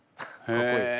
かっこいい！